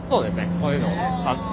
こういうのを貼って。